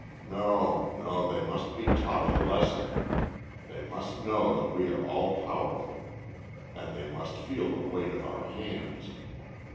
No, no; they must be taught a lesson; they must know that we are all powerful. And they must feel the weight of our hands.